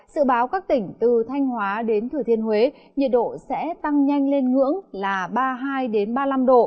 sự báo các tỉnh từ thanh hóa đến thừa thiên huế nhiệt độ sẽ tăng nhanh lên ngưỡng là ba mươi hai ba mươi năm độ